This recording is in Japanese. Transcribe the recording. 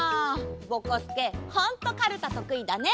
ぼこすけほんとカルタとくいだね！